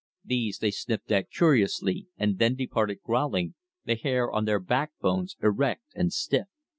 These they sniffed at curiously, and then departed growling, the hair on their backbones erect and stiff.